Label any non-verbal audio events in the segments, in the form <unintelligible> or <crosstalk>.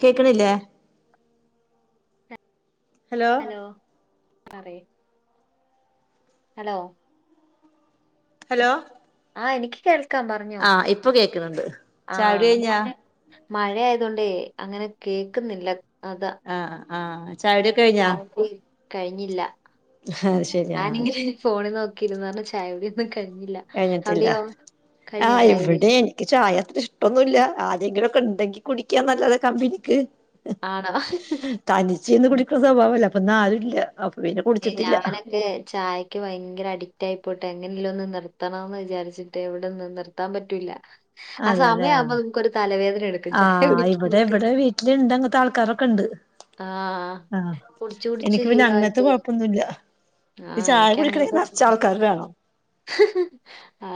കേക്ക്ണില്ലേ? ഹലോ? അറേ hello? Hello? ആഹ് എനിക് കേ ആഹ് ഇപ്പൊ കേക്ക്ണ് ണ്ട് ചായുടി കഴിഞ്ഞാ മഴ്യായതോണ്ടേ അങ്ങനെ കേക്ക്ന്നില്ല അതാ ആഹ് ആഹ് ചായുടിയൊക്കെ കഴിഞ്ഞാ? എനിക്ക് കഴിഞ്ഞില്ല, അത് ശരി ആഹ് ഞാനിങ്ങനെ ഫോണിൽ നോക്കിയിരിന്നൊണ്ട് ചായുടിയൊന്നും ക കെയ്ഞ്ഞിട്ടില്ല കഴിഞ്ഞോ ആഹ് ചായ കുടി ഇവിടെൻക്കീ ചായെത്ര ഇഷ്ടൊന്നുല്ല ആരെങ്കിലു ണ്ടെങ്കി കുടിക്കാൻ നല്ലത കമ്പ്നിക്ക് ആണോ തനിച്ചിന്ന് കുടിക്ക്ണ സ്വഭാവല്ല അപ്പൊന്നാരുല്ല ഞാനൊക്കെ ചായെക്ക് ഭയങ്കര അഡിക്റ്റ് ആയി പോട്ട് എങ്ങനെല്ലോന്ന് നിർത്തണെന്ന് വിചാർച്ചിട്ട് എവിടെന്ന് നിർത്താൻ പറ്റൂല്ല അ സമയവുമ്പോ നമ്മക്കൊരു തലവേ ആ ഇവിടെ ഇവിടെ വീട്ടില്ണ്ട് അങ്ങത്തെ ആൾക്കാരൊക്കെണ്ട്. ആ ആ കുടിച്ചു കുടിച്ച് എനിക്ക് പിന്നെ അങ്ങനത്തെ ശീലമായിട്ട് കൊഴപ്പൊന്നുല്ല ആ പി ചായ കുടിക്കണെങ്കി നറച്ചാൾക്കാരാ അ ആ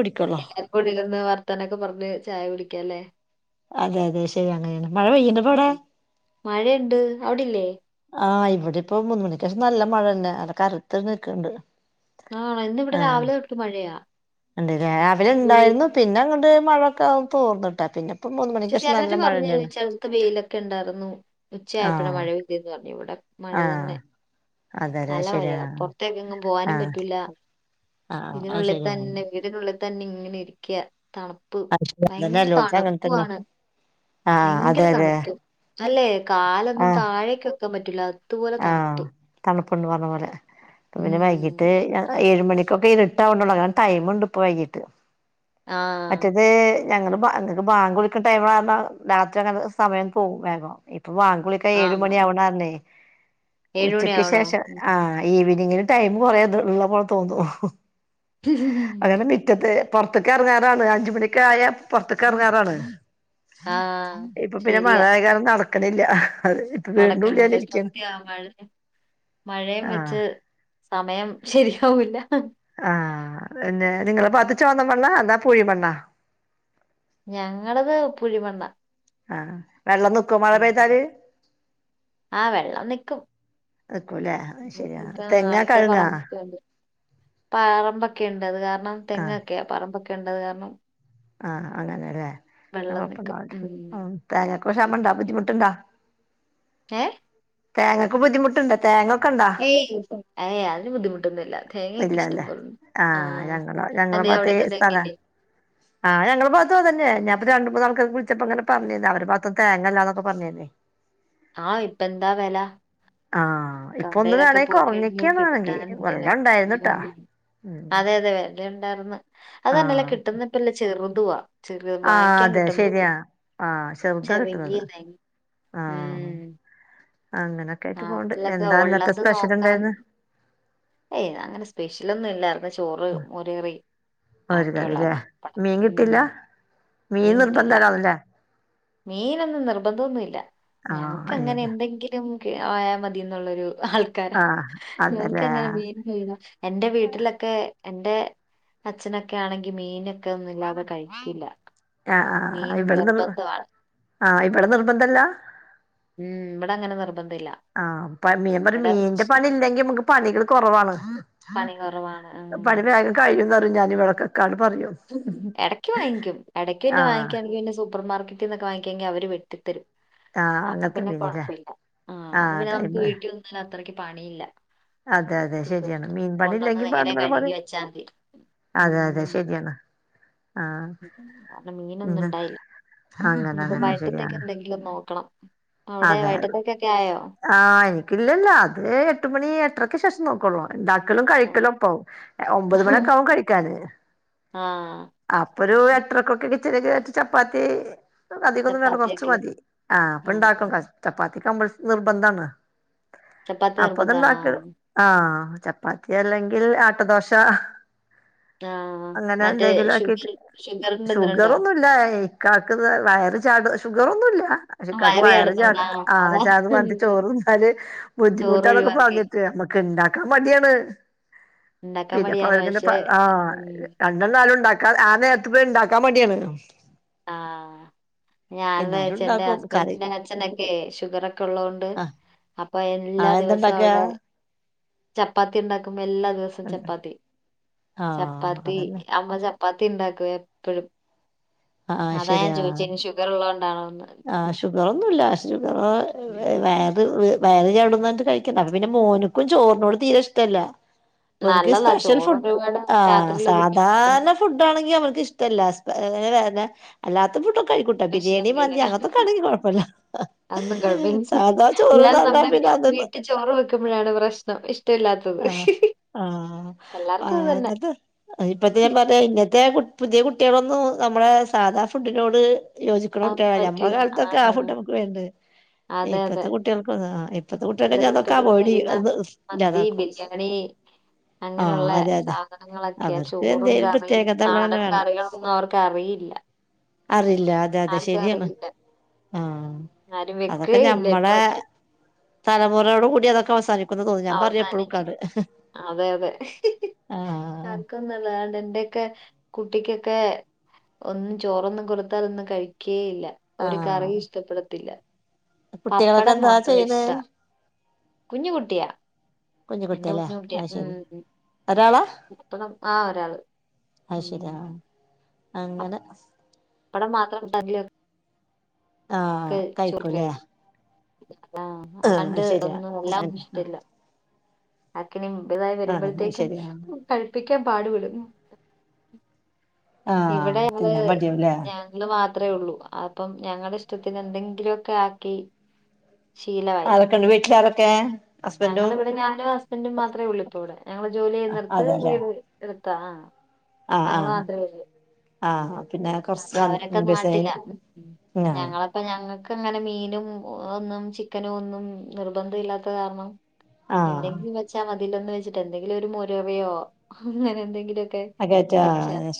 കുടിക്കുള്ളൂ എല്ലർക്കുടില്ന്ന് വർത്താനൊക്കെ പറഞ്ഞിട്ട് ചായ വിളിക്കലേ അതെ അതെ ശരിയാണ് മഴ പെയ്യിണ്ടപ്പവടെ ഉം മഴയുണ്ട് അവിടില്ലേ ആ ഇവിടെ ഇപ്പോ മൂന്ന് മണിക്കേഷം നല്ല മഴണ്ട് കറുത്ത് നിക്ക്‌ണ്ട് ആണ് ഇന്നിവിടെ രാവിലെ തൊട്ട് മഴയാ ഉണ്ട് രാവിലെ വെയിൽ- ഇണ്ടായിരുന്നു പിന്നെ അങ്ങട്ട് മഴൊക്കെ തോർന്ന്ട്ടാ പിന്നെ ഇപ്പം മൂന്ന് പക്ഷെ മണിക്കേഷം നല്ല ചിലര് മഴ പറഞ്ഞു തന്നെയാണ് ചെൽത്ത് വെയിലൊക്കെ ഉണ്ടായിർന്നു ഉച്ചയപ്പോഴ ആഹ് മഴ പെയ്തെന്ന് പറഞ്ഞു ഇവിടെ മഴ ആഹ് തന്നെ അതെല്ലേ നല്ല ശരിയാ മഴയാ പൊറത്തേക്കെങ്ങും പോവാനും ആഹ് പറ്റൂല ആഹ് അത് ഇതിനുള്ളിൽ ശരിയാ തന്നെ വീടിനുള്ളിൽ തന്നെ ഇങ്ങനെ ഇരിക്ക്യ തണുപ്പ് അത് ശരി അതന്നെ ഭയങ്കര എല്ലോട്ത്തും തണു അങ്ങനെ തന്നെ പ്പാണ് ആഹ് ഭയങ്കര അതെ അതെ തണുപ്പ് അല്ലേ കാലൊന്നും ആഹ് താഴേക്ക ക്കാൻ പറ്റില്ല അതുപോലെ ആഹ് തണുപ്പ് പറഞ്ഞ പോലെ ഇന്ന് ഉം പിന്നെ വൈകിട്ട് ഏഴ് മണി ഇപ്പൊക്കെ ഇരിട്ടാവണൊള്ളൂ അങ്ങനെ ടൈമുണ്ട് ഇപ്പൊ വൈകിട്ട് ആഹ് മറ്റത് ഞങ്ങള് ഞങ്ങള്ക്ക് ബാ ബാങ്കുളിക്ക്‌ണ ടൈമ് ലറഞ്ഞാ രാത്രി നങ്ങക്ക്‌ സമയം പോകും വേഗം ബാങ്കുളിക്ക ഏഴു ആഹ് മണി ആവ്ണ് <unintelligible> ഏഴ് ഉച്ചക്ക് മണിയാവണോ ശേഷം ആ ഈവനിങ്ങും ടൈം കൊറേത് ഉള്ളപ്പോലെ തോന്നു അങ്ങനെ മിറ്റത് പുറത്ത്ക്കിറങ്ങാറാണ് അഞ്ച് മണിക്കായ പുറത്ത്ക്കിറങ്ങാറാണ് ആഹ് ഇപ്പൊ പിന്നെ ശരിയാ മഴയ കാലം നടക്കണില്ല അത് ഇപ്പ വീടിന്റുള്ളിലെന്നെ നടക്കുന്നുണ്ട് ഇരിക്കും സത്യാ മഴ മഴയും വെച്ച് സമയം ശരിയാവൂല്ല ആ പിന്നെ നിങ്ങള പാത്ത് ചോണ മണ്ണാ അതോ പുഴി മണ്ണാ ഞങ്ങളത് പുഴിമണ്ണ ആ വെള്ളം നിക്കോ മഴ പെയ്താല് ആ വെള്ളം നിക്കും നിക്കൂല്ലേ അത് ശരി ആ തെങ്ങാ അടുത്ത കഴുങ്ങാ പറമ്പക്കണ്ട് <unintelligible> പറമ്പൊക്കെയിണ്ട് അത് കാരണം ആഹ് തെങ്ങൊക്കെയാ പറമ്പൊക്കെഇണ്ട്ത് കാരണം ആ അങ്ങനെലെ വെള്ളം നമ്മ പ്പ നിക്കും നാ ഉം ഉ തേങ്ങക്ക്‌ ശാമണ്ട ബുദ്ധിമുട്ട്ണ്ടാ ഏ തേങ്ങക്ക് ബുദ്ധിമുട്ടുണ്ട തേങ്ങ ഏയ് ഏ അയിന് ബുദ്ധിമുട്ടൊന്നുംല്ല തേങ്ങൊക്കെ ഇല്ലല്ലേ ഇഷ്ടംപോല ആ ആഹ് ഞങ്ങള അ അവിടന്ത തെങ്ങില്ലെ ആ രണ്ടൂന്ന് നാത്ത് അതന്നെ ഞാപ്പൊ രണ്ട മൂന്നാക്ക്‌ വിളിച്ചപ്പോ ഇങ്ങനെ പറഞ്ഞിനു അവരെ ബാത്ത് തേങ്ങല്ലാന്നൊക്കെ പറഞ്ഞിനു ആ ഇപ്പ എന്താ വില ആ ഇപ്പ ഒന്ന് വേണെങ്കിൽ കുറഞ്ഞക്കാ വാണെങ്കി കിട്ടാനില്ലല്ലോ നല്ലൊ ഉണ്ടായിനുട്ടാ ഉം അതെ അതെ വല ഉണ്ടായിർന്ന് അത് തന്നെല്ല ആഹ് കിട്ടുന്നപ്പല്ല ചെറുതുവാ ചെർ ആഹ് വാങ്ങിക്കാ അതെ കിട്ടുന്ന് ശരിയാ ആഹ് ചെറുതാ കിട്ടുന്നത് ചെറങ്ങി ആഹ് ഉം അങ്ങനൊക്കെ ആയിട്ട് പോവണ്ട് നാട്ടിലൊക്കെ എന്താ ഇന്നത്തെ ഉള്ളത് സ്പെഷ്യൽ നോക്കാൻ ഇണ്ടായിന് ഏയ് അങ്ങനെ സ്പെഷ്യലൊന്നും ഇല്ലായിർന്ന് ചോറ് മോര്കറി മോര് ആക്കെയള്ള കറില്ലേ പ മീൻ കിട്ടില്ല മ്മ് മീൻ നിർബന്ധം ആവുല്ലേ മീനൊന്നും നിർബന്ധതൊന്നുല്ല ആഹ് ഞങ്ങ്ക്ക് അതെ അങ്ങനെ എന്തെങ്കിലും ക്കെ ആയാൽ മതി ന്നുള്ളൊരു ആൾക്കാര ആഹ് അതല്ലേ ങ്ങ്ക്ക്ന്നെ മീൻ തി എന്റെ വീട്ടിലൊക്കെ എന്റെ അച്ഛനൊക്കെ ആണെങ്കി മീനൊക്കെന്നുല്ലാതെ കഴിക്കില്ല മീൻ നിർബന്ധണ് ആ ഇവിടെ നിർബന്ധല്ലാ ഉം ഇവിടെ അങ്ങനെ നിർബ ആഹ് പ്പ മീൻ പണി മീന്റെ പണി ഇല്ലെങ്കി നമുക്ക് പണികൾ കൊറവാണ് പണി കുറവാണ് ഉം പണി വേഗം കഴിയും പറയും ഞാൻ ഇവിടെക്കെ കാളും എടയ്ക്ക് വാങ്ങിക്കും എടക്ക് പിന്നെ ആഹ് വാങ്ങിക്കാ സൂപ്പർ മാർക്കറ്റ് ന്നക്കെ വാങ്ങി കഴിഞ്ഞാൽ അവര് വെട്ടിത്തരും ആഹ് അപ്പൊ അങ്ങനത്തെ പിന്നെ മീനില്ലേ കൊഴപ്പില്ല ആ അപ്പൊ ആഹ് പിന്നെ നമുക്ക് ടൈമ് വീട്ടിവന്നുക അത്രക്ക് പണിയില്ല അതെ അതെ ശരിയാണ് മീൻ പണി കൊണ്ടുവന്ന് ഇല്ലെങ്കി നേരെ പറഞ്ഞ പോലെ കഴുകി വെച്ചാൽ മതി അതെ അതെ ശരിയാണ് ആഹ് കാരണം മീനൊന്നും ഇണ്ടായില്ല അങ്ങനെ ഇനിപ്പോ അങ്ങനെ വൈകിട്ടത്തേക്ക് ശരിയാണ് എന്തെങ്കിലും നോക്കണം അവിടെ അതെ വയറ്റത്തേക്കൊക്കെ ആയോ ആഹ് എനിക്കില്ലല്ല അത് എട്ട് മണി എട്ടരക്ക് ശേഷം നോക്കോള്ളൂ ഉണ്ടാക്കലും ആണോ കഴിക്കലും ഒപ്പാവും ഒമ്പത് മണിയൊക്കെ ആവും കഴിക്കാന് ആ അപ്പൊ ഒരു എട്ടരയ്ക്കൊക്കെ കിച്ചനികേറി ചപ്പാത്തി അധികൊന്നും വേണ്ട കൊറച്ച് ചപ്പാത്തിയൊക്കെ മതി ആഹ് അപ്പൊ ഇണ്ടാക്കും ആ ചപ്പാത്തി <unintelligible> നിർബന്ധാണ് ചപ്പാത്തി നിർബന്ധാണോ അപ്പൊതണ്ടാക്ക ആഹ് ചപ്പാത്തി അല്ലെങ്കിൽ ആട്ടദോശ ആഹ് അങ്ങനെ മറ്റേ എന്തെങ്കിലും ആക്കിട്ട് ഷുഗർ ഷുഗറിന്റെ എന്തിനുണ്ടോ ഷുഗറൊന്നുംല്ല ഇക്കാക്ക് വയറ് ചാട ഷുഗർ ഒന്നുംല്ല ഇക്കാക്ക് വയറ് ചാട കടന്നോണ്ട ആഹ് ആ അതാ ചാടും പറഞ്ഞിട്ട് ചോറന്നാല് ബുദ്ധിമുട്ട് ചോറ് എന്നൊക്കെ ഒഴിവാക്കി പറഞ്ഞിട്ട് ക്ക് ഇണ്ടാക്കാൻ മടിയാണ് ഉണ്ടാക്കാൻ പിന്നെപ്പോ മടിയാണ് അവർക്ക് ഇന്റെ പക്ഷെ ആ ഉം രണ്ടെണ്ണാലും ഉണ്ടാക്ക ആ നേരത്ത് പിന്നെ ഇണ്ടാക്കാൻ മടിയാണ് ആഹ് ഞാനന്താ എന്നാലും വച്ചേ എന്റെ ഉണ്ടാക്കും കറി ഹസ്ബന്റെ അച്ഛൻ ഷുഗർ ഒക്കെ ഉള്ളകൊണ്ട് ആഹ് അപ്പൊ എല്ലാ ആഹ് ദിവസവും എന്താണ്ടാക്കാ അവിടെ ചപ്പാത്തി ഉണ്ടാക്കുമ്പോ എല്ലാ ദിവസവും ചപ്പാത്തി ആഹ് ചപ്പാത്തി അതന്നെ അമ്മ പ്പാത്തി ഉണ്ടാക്കുവെ എപ്പഴും ആഹ് അതാ ഞാൻ ശരിയാ ചോദിച്ചു ഇനി ഷുഗർള്ളത് കൊണ്ടാണോന്ന് ഓ <unintelligible> വയറ് ചാടുപറഞ്ഞിട്ട് കഴിക്കണ്ട അപ്പൊ പിന്നെ മോന്ക്കും ചോറിനോട് തീരെ ഇഷ്ടല്ല ഓനിക്ക് നല്ലതാ സ്പെഷ്യൽ ഫുഡ് ചോറൊരുപാട് ആ രാത്രിയിലൊന്നും കഴിക്കണ്ട. സാധാരണ ഫുഡ് ആണെങ്കി അവ ന്ക്ക് ഇഷ്ടല്ലാത്തെ ഏന്നെ അല്ലാത്ത ഫുഡൊക്കെ കഴിക്കൂട്ട സ്പെഷ്യൽ ബിരിയാണി എന്തേലും മന്തി അങ്ങനത്തൊക്കെ ആണെങ്കി കൊഴപ്പില്ല അതൊന്നും കുഴപ്പില്ല എല്ലാർക്കും നമ്മുടെ പിന്നെ അത് വീട്ടിൽ ചോറ് വെക്കുമ്പോഴാണ് പ്രശ്നം ഇ ഷ്ടട്ടല്ലാത്തത് ആഹ് ആഹ് ആ അങ്ങനത്തെ ഇപ്പത്തെ ഞാൻ പറയാ ഇങ്ങത്തെ പുതിയ കുട്ടികളൊ ന്നും നമ്മുടെ സാധാ ഫുഡിനോട് യോജിക്കണ അതൊന്നും കുട്ടികളല്ല ഞമ്മളെ പറ്റൂല കാലത്തൊക്കെ ആ ഫുഡ് നമുക്ക് വലുതെന്നു അതെ അതെ ഇപ്പഴത്തെ കുട്ടികൾക്കൊ ഇപ്പത്തെ കുട്ടികൾക്ക് കുട്ടികൾക്കെതാവോയ്ഡ് ചെയ്യും എല്ലാം അത് ഇല്ലാതാക്കും <unintelligible> ആഹ് അങ്ങനെയുള്ള അതെ അതെ സാധനങ്ങളൊക്കെ അവർക്ക് ചോറും എന്തേലും കറിയും പ്രത്യേകത ഉള്ളത് തന്നെ നാടൻ വേണം കറികളൊന്നും അവർക്കറിയി ഇല്ല അറിയില്ല അതെ അതെ ശരിയാണ് ആഹ് ആരും അതൊക്കെ വെക്കുകയില്ല ഇപ്പൊ ഞമ്മളെ അവര് തലമുറയോടു കൂടി അതൊക്കെ അവസാനിക്കുന്ന തോന്ന ഞാൻ പറയപ്പോഴും അവസാനിച്ച് അതെ അതെ ആഹ് ആർക്കൊന്നും വേണ്ട എന്റെയൊക്കെ കുട്ടിക്കൊക്കെ ഒന്നും ചോറൊന്നും കൊടുത്താലൊന്നും ഒന്ന് കഴിക്ക ഇല്ല ഒരു കറി ആഹ് ഇഷ്ടപ്പെടത്തില്ല കുട്ടികളൊക്കെ പപ്പടം എന്താ മാത്രം ചെയ്യണ് ഇഷ്ട കുഞ്ഞ് കുട്ടിയാ കുഞ്ഞു എന്റെ കുട്ടിയല്ലേ കുഞ് കുട്ടിയ അത് ഉം ശരി ഒരാളാ പപ്പടം ആ ഒരാള് അത് ശരിയാ ഉം. അങ്ങനെ അടെ മാത്രം ആഹ കഴിക്കുല്ലേ ആഹ അല്ലാണ്ട് ഒന്നും എല്ലാം അങ്ങനെ ആഹ് ഇഷ്ട്ടല്ല ആഹ് അത് ശരിയാ <unintelligible> പാട്പ്പെടും ഉം ആഹ് ഇവിടെ ഞങ്ങള് തിന്നാൻ മടിയാവുല്ലേ ഞങ്ങൾ മ അത്രേ ഉള്ളൂ അപ്പം ഞങ്ങടെ ഇഷ്ടത്തിന് എന്തെങ്കിലൊക്കെ ആക്കി ആരക്കണ്ട് വീട്ടില് ആരൊക്കെ ഹസ്ബൻഡും ഞങ്ങലിവിടെ ഞാനും ഹസ്ബന്റും മാത്രയൊള്ളൂ ഇപ്പ ഇവിടെ ഞങ്ങള് ജോലി ചെയ്യുന്നട്ത്ത് വീ അതെല്ലേ <inaudible> താ ഞങ്ങളു മാത്ര <unintelligible> ആഹ അപ്പൊ അവരൊക്കെ നാട്ടില ആഹ് ഞങ്ങളപ്പ ഞങ്ങക്ക് അങ്ങനെ മീനും ഒന്നും ചിക്കനോ ഒന്നും നിർബന്ധയില്ലാത്ത കാരണം ആഹ് എന്തെങ്കിലും വെച്ചാ മ തിലൊന്ന് വെച്ചിട്ട് എന്തെങ്കിലും ഒരു മുരവയോ അങ്ങനെ എന്തെങ്കിലൊ ആ കേറ്റാ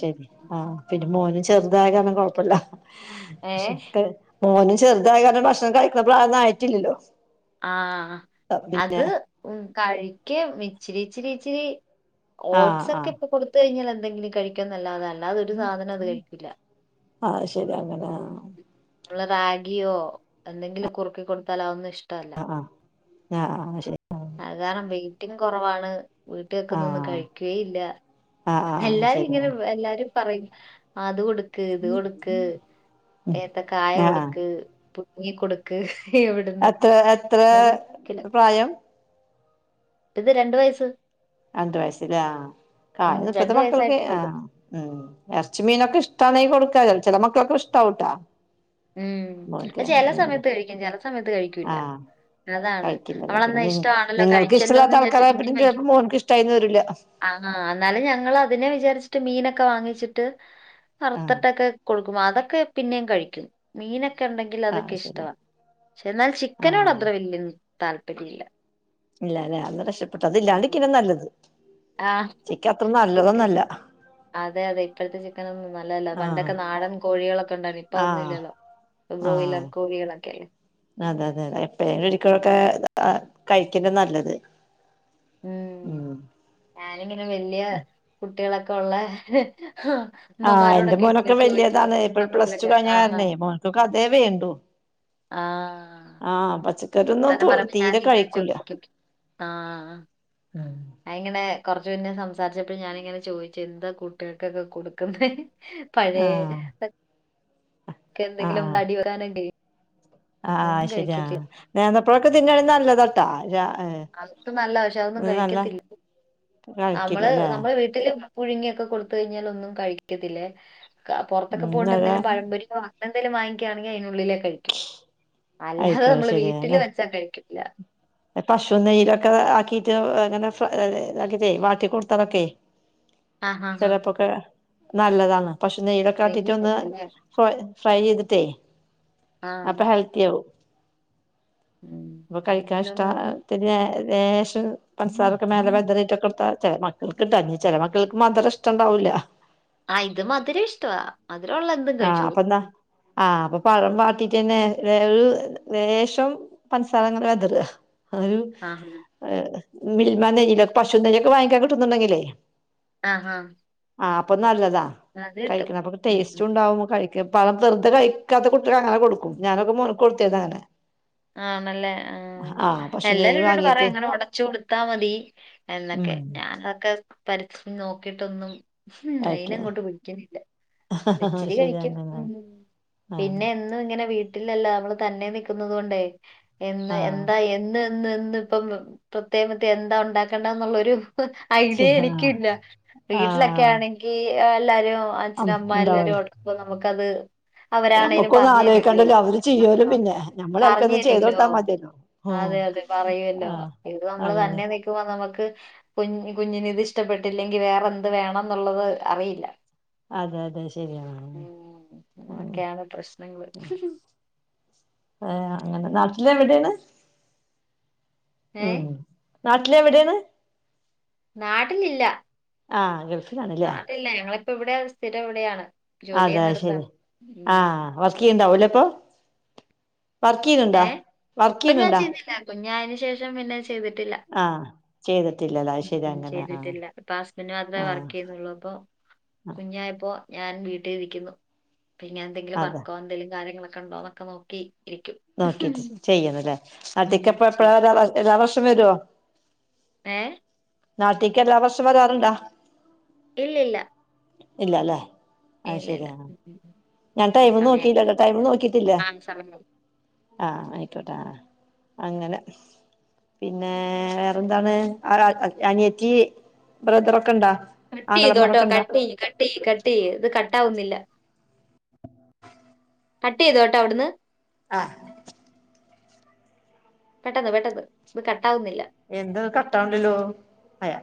ശരി ആഹ പിന്നെ മോന് ചെറുതായ കന്നും കൊഴപ്പില്ല ഏഹ് <unintelligible> മോനും ചെറുതായ കാരണം ഭക്ഷണം കഴിക്കണ പ്രായൊന്നും ആയിട്ടില്ലല്ലോ ആഹ അത് പിന്നെ ഉം കഴിക്കും ഇച്ചിരി ഇച്ചിരി ഇച്ചിരി ആഹ് ഓട്ട്സ് ഒക്കെ ആഹ് ഇപ്പൊ കൊടുത്ത കഴിഞ്ഞാൽ എന്തെങ്കിലും കഴിക്കോ എന്നല്ലാതല ല്ലാതൊരു സാധനം അത് കഴിക്കില്ല ആഹ ശരി അങ്ങനാ രിയോ എന്തെിലും കുറുക്കി കൊടുത്താൽ അതൊന്നും ഇഷ് ആഹ ആഹ ആഹ ആഹ് ആ ശരി റ്റും കൊറവാണ് വീട്ട് വെക്കുന്നന്നും ആഹ് കഴിക്കേം ഇല്ല ആഹ് ആഹ് എല്ലാരും ശരി ഇങ്ങനെ വെ ആഹ് എല്ലാരും പറയും അത് കൊടുക്ക് ഇത് കൊടുക്ക് ഏത്തക്കായ ആഹ് കൊടുക്ക് പു നീ കൊടുക്ക് ഹിഹിഹി എവിടന്ന് എത്ര എത്ര <inaudible> പ്രായം ഇത് രണ്ട് വയസ്സ് രണ്ടു വയസ്സിലെ ക ഉം ഇപ്പത്തെ രണ്ട് മക്കൾക്ക് വയസ്സായിട്ടേ ആ ഉള്ളൂ ഉം എർച്ചിം മീനൊക്കെ ഇഷ്ട്ട ട്ടാണെ കൊടുക്കാല്ലോ ചില മക്കൾക്ക് ഇഷ്ട്ടാവുട്ടോ ഉം പക്ഷേ ചെല സമയത്ത് കഴിക്കും ചെല സമയത്ത് കഴിക്കൂല്ല ആഹ് അതാണ് കഴിക്കില്ലല്ലേ അവളന്ന പിന്നെ ഇഷ്ടവാണല്ലോ നിങ്ങൾക്ക് കഴിച്ചല്ലോന്ന് ഇഷ്ടമല്ലാത്ത വിചാരിച്ച് ആൾക്കാരായ പിന്നെ പിന്നിം ചിലപ്പോ കഴിക്കും മോൻക്ക് ഇഷ്ടായിന്ന് വരില്ല ആഹ എന്നാലും ഞങ്ങൾ അതിനെ വിചാരിച്ചിട്ട് മീനൊക്കെ വാങ്ങിച്ചിട്ട് ആഹ് അറുത്തട്ടൊക്കെ കൊടുക്കും അതൊക്കെ പിന്നെയും കഴിക്കും മീനൊ ക്ക ഉണ്ടെങ്കിൽ ആഹ് അതൊക്കെ ശരിയാ ഇഷ്ടവാ ക്ഷ എന്നാൽ ആഹ് ചിക്കനോടത്ര വല്യൻ താല്പര്യല്ല ഇല്ലല്ലേ അന്ന് രക്ഷപ്പെട്ടു അത്ല്ലാണ്ട്ക്കന്നെ നല്ലത് ആ ചിക്കൻ അത്ര നല്ലതൊന്നല്ല <unintelligible> അതെ അതെ ഇപ്പോഴത്തെ ചിക്കനൊന്നും നല്ലല്ല ആഹ് പണ്ടൊക്കെ നാടൻ കോഴികളൊക്കെണ്ടായിരുന്നു ഇപ്പൊ അതൊന്നും ഇല്ലല്ലോ ഇപ്പൊ ആഹ ബ്രോയിലർ കോഴികളൊക്കെയല്ലേ. അതെ അതെതെ എപ്പയേലും ഒരിക്കലൊക്കെ കഴിക്കണ്ട നല്ലത് ഉം ഇങ്ങനെ വല്യേ കുട്ടികളൊക്കെ ഒള്ളെ <unintelligible> ഹാ ആഹ് എന്റെ മ്മമാരോടൊക്കെ ഇങ്ങനെ മോനൊക്കെ ചോദിച്ചു വലിയതാണ് ഇപ്പ വർത്താനം പ്ലസ് ടു <unintelligible> കഴിഞ്ഞ ആ ആഹ കാരണേ മോൻക്കൊക്കെ അതേ വേണ്ടു ആഹ് പച്ചക്കറിയൊന്നും ത്തരം പറുമ്പ തീരെ ഞാനിങ്ങനെ കഴിക്കൂല ചോദിക്കും ആ ഞാ ഇങ്ങനെ കൊറച്ചു മുന്നെ സംസാരിച്ചപ്പോ ഞാനിങ്ങനെ ചോദിച്ചു എന്താ കുട്ടികക്കൊക്കെ കൊടുക്കുന്നെ <unintelligible> പഴയ ആഹ് ഒക്കെ എന്തെങ്കിലും ആഹ് <unintelligible> ആഹ് ഒന്നും ശരിയാ കഴിക്കത്തില്ല നേന്ത്രപ്പഴൊക്കെ തിന്നാണെങ്കിൽ നല്ലതാട്ടാ അതൊക്കെ നല്ലാ പക്ഷെ അതൊന്നും നല്ല കഴിക്കത്തില്ല നമ്മള് കഴിക്കില്ലല്ലേ നമ്മള് വീട്ടില് മ്മ പുഴുങ്ങിയൊക്കെ കൊടുത്ത് കഴിഞ്ഞാൽ ഒന്നും കഴിക്കത്തില്ലേ പൊറത്തൊക്കെ പോയിട്ട് ഇന്നലെ എന്തെങ്കിലും പഴമ്പൊരിയോ എന്തേലും വാങ്ങിക്കയാണെങ്കിൽ അതിനുള്ളിലേ കഴിക്കും അല്ലാതെ അയിക്ക നമ്മൾ വീട്ടിൽ ശരിയാണ് വെച്ചാ കഴിക്കു ല്ല പശു നെയയിലൊക്കെ ആക്കീട്ട് അങ്ങനെ ഇതാക്കിട്ടേ വാട്ടി കൊടുത്താലൊക്കെ ആഹ് ആഹ് ആഹ് ചെിലപ്പോൊക്കെ നല്ലതാണ് പശൂനെയിലൊക്കെ നെയ്യ് അകീറ്റ് ഒന്ന് ഇടത്തില്ലേ ഫ്ര ഫ്രൈ ചെയ്തിട്ടേ ആഹ് അപ്പൊ ഹൽത്തിയാവും <inaudible> ന്ന <inaudible> വിശം പഞ്സാറൊക്കെ മേല ലേശം ലേശം പൻസാരഒക്കെമേലെ വെതറിയിട്ടൊക്കെടുത്ത മക്കൾക്ക് ട്ടൊ ചില മക്കൾക്ക് മധുരഇഷ്ടണ്ടാവൂല <inaudible> ആ ഇത മധുരം ഇഷ്ടവാ മധുരം ഉള്ള എന്തും ആഹ് കഴിച്ചോകും അപ്പന്താ ആഹ് അപ്പൊ പഴം വാറ്റീട്ടെന്നെ ലേശം പഞ്സാരങ്ങ വതറുക അഒരു ആഹ് മിൽമ നയിലൊെ പശു നെയല്ലൊക്കെ വാങ്ങിക്കാൻ കിട്ടുന്നുണ്ടെങ്കിലേ - - <unintelligible> ആപൊനല്ലതാ <unintelligible> ചുണ്ടാവും പഴംവെറ്തെ കഴിക്കാത്ത കുട്ടികൾക്ക് അങ്ങനെ കൊടുക്കും ഞാനൊക്കെ മോൾക്ക്കൊടുതെന്ന്അങ്ങനെ ആണല്ലേ ആ പശു എല്ലാരും നെയ്യ് എന്നോട് പറയും വാങ്ങീട്ട് അങ്ങനെ ഉടച്ചു കൊടുത്താ മതി ഉം എന്നൊക്കെ ഞാാന അതൊക്കെ പരി <unintelligible> നോക്കിട്ടൊന്നും ഉം അയിന കഴിക്ക അങ്ങോട്ട് വിളിക്കിനില്ല ഇച്ചിരി കഴിക്ക് ശരിയാണ് ആഹ് പിന്നെ എന്നും ഇങ്ങനെ വീട്ടിലല്ല നമ്മള് തന്നെ നിൽക്കുന്നതുകൊണ്ടേ എന്ന് ആഹ് എന്താഎന്ന് ഇന്ന്ഇന്ന് ഇപ്പം പ്രത്യേ <unintelligible> കത്തെ എന്താ ഉണ്ടാക്കേണ്ടന്നുള്ളരു ഐഡിയ ശരി ആഹ് എനിക്കില്ല വീട്ടിലൊക്കെ ആണെങ്കി എല്ലാരും അച്ഛനും ആഹ് അമ്മ ഉണ്ടാവല്ലോ എല്ലാരും ഓടക്ക്പ <unintelligible> നമുക്കത് അവരാണേലും ഞമ്മക്കൊന്നും പറഞ്ഞു തരുല്ല ആലോയിക്കണ്ടല്ലോ അവര് ചെയ്യോലോ <unintelligible> പിന്നെ ഞമ്മള് ചെലപ്പോ എന്തെങ്കിലും ചെയ്ത് പറഞ്ഞിരുല്ലോ കൊടുത്താ മതിയല്ലോ ഓ അതെ അതെ പറയൂല്ലോ ആഹ് ഇത് നമ്മൾ അതന്നെ തന്നെ നിക്കുമ്പോനമു നമക്ക് കുഞ് കുഞ്ഞിന് ഇത് ഇഷ്ടപ്പെട്ടില്ലെങ്കിൽ വേറെ എന്ത് വേണം എന്നുള്ളത് അറിയില്ല അതെ അതെ <unintelligible> ഉം അതൊക്കെയാണ് പ്രശ്നങ്ങള് <unintelligible> അങ്ങനെ നാട്ടില എവിടൊണ് ഏ ഉം നാട്ടിലെവിടേണ് നാട്ടിലില്ല ആഗൾഫ് അതാണ്ലെ നാട്ടിലില്ല ഞങ്ങളിപ്പോ ഇവിടെ സ്ഥിരം ഇവിടെയാണ് ജോലി അതെ ശരി ചെയ്യുന്നിടത്താണ് ആ ഉം വർക്ക് യിണ്ടോല് പൊ വർക്കിയിണിണ്ട വർക്കിയിണിണ്ട ഞ അയിന് ശേഷം പിന്നെ ചെയ്തിട്ടില്ല ആഹ് ചെയ്തിട്ടില്ലല്ലോ അത് ശരി അങ്ങനെ ആഹ് ചെയ്തിട്ടില്ലപാസ്റ്റ്ന് മാത്രേ വർക്ക് ആഹ് ചെയ്യുന്നുള്ളൂ അപൊ കുഞ്ഞായപ്പോ ഞാൻ വീട്ടിൽ ഇരിക്കുന്നു പിന്നെ ഞാൻ എന്തെങ്കിലും അതെ വർക്കോ എന്തെങ്കിലും കാര്യങ്ങളൊക്കെ ഉണ്ടോ എന്നൊക്കെനോക്കി ഇരിക്കും നോക്കിട്ട് ഉം, ചെയ്യിണ്ലെനാട്ടികിപ്പ് എപ്പഴാ ശരി രാധാരാധാകൃഷ്ണൻ വരുവോ ഏ നാട്ടിക്ക് എല്ലാ വർഷം വരാറുണ്ടാ ഇല്ലിഇല്ല ഇല്ലലേ ഇല്ലെല ഞാൻടൈംനോകിട്ടില്ലട്ട ടൈം നോക്കിട്ടില്ല ആ സമയായി അ ആയിക്കോട്ട ആ അങ്ങനെ പിന്നെ വേറെന്താണ് ആരാ അനിയറത്തി ബ്രദറൊക്കെ ഇണ്ടാ കട്ട് ചെയ്തോട്ടോ ആങ്ങളമാരൊക്കെ ഇണ്ടാ കട്ടയ് കട്ടയ് കട്ടയ് ഇത് കട്ടാവുന്നില്ല കട്ടയ്തോട്ടൊ അവടുന്ന് ആ <unintelligible> പെട്ടെന്ന് പെട്ടെന്ന് ഇത് കട്ടാവുന്നില്ല എന്ത് കട്ടാണില്ലല്ലോ അയാ